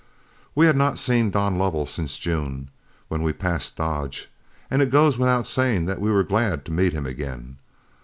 We had not seen Don Lovell since June, when we passed Dodge, and it goes without saying that we were glad to meet him again.